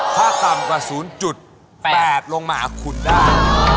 ถ้าต่ำกว่า๐๘ลงมาหาคุณได้